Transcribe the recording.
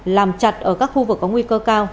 làm chặt ở các khu vực có nguy cơ cao